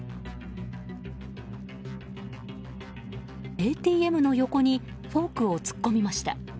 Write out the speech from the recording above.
ＡＴＭの横にフォークを突っ込みました。